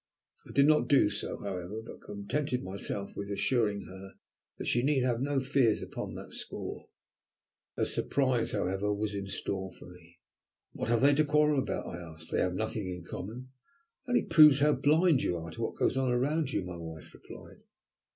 I did not do so, however, but contented myself with assuring her that she need have no fears upon that score. A surprise, however, was in store for me. "What have they to quarrel about?" I asked. "They have nothing in common." "That only proves how blind you are to what goes on around you," my wife replied.